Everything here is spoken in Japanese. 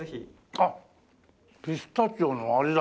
あっピスタチオの味だ。